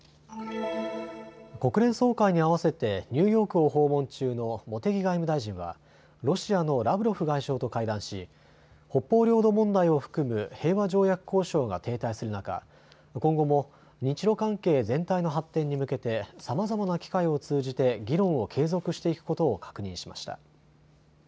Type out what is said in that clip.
国連総会に合わせてニューヨークを訪問中の茂木外務大臣はロシアのラブロフ外相と会談し北方領土問題を含む平和条約交渉が停滞する中、今後も日ロ関係全体の発展に向けてさまざまな機会を通じて議論を継続していくことを確認しました。